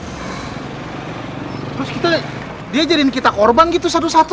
terus kita dia jadiin kita korban gitu satu satu